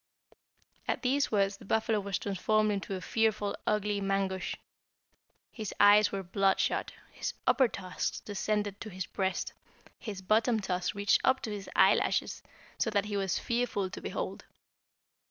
"At these words the buffalo was transformed into a fearful ugly Mangusch. His eyes were bloodshot, his upper tusks descended to his breast, his bottom tusks reached up to his eyelashes, so that he was fearful to behold.